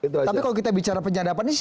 tapi kalau kita bicara penyadapan ini